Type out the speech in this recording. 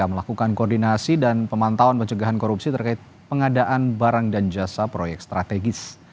melakukan koordinasi dan pemantauan pencegahan korupsi terkait pengadaan barang dan jasa proyek strategis